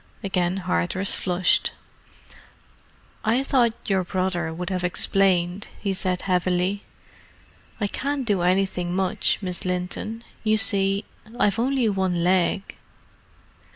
Again Hardress flushed. "I thought your brother would have explained," he said heavily. "I can't do anything much, Miss Linton. You see, I've only one leg."